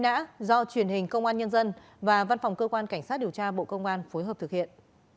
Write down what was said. nã do truyền hình công an nhân dân và văn phòng cơ quan cảnh sát điều tra bộ công an phối hợp thực hiện